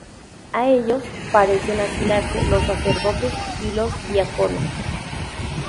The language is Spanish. A ellos parecen asimilarse los sacerdotes y los diáconos.